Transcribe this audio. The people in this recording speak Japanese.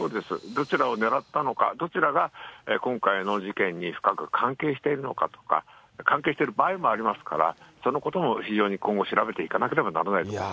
どちらを狙ったのか、どちらが今回の事件に深く関係しているのかとか、関係してる場合もありますから、そのことも非常に今後調べていかなければならないと思います。